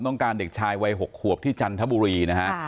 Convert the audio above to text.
การเด็กชายวัย๖ขวบที่จันทบุรีนะฮะ